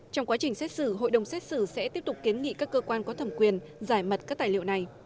trong quá trình xét xử hội đồng xét xử sẽ tiếp tục kiến nghị các cơ quan có thẩm quyền giải mật các tài liệu này